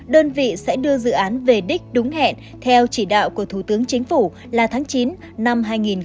đơn vị sẽ đưa dự án về đích đúng hẹn theo chỉ đạo của thủ tướng chính phủ là tháng chín năm hai nghìn hai mươi